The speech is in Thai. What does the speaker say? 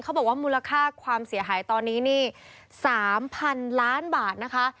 เขาบอกว่ามูลค่าความเสียหายตอนนี้นี่สามพันล้านบาทนะคะ